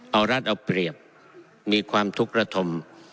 เอารัฐเอาเปรียบมีความทุกข์ระทม